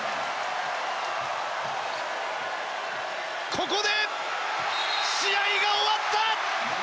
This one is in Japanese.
ここで試合が終わった！